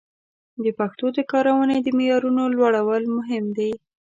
د پښتو د کارونې د معیارونو لوړول مهم دي.